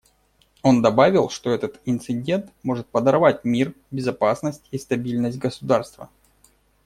Он добавил, что этот инцидент может подорвать мир, безопасность и стабильность государства.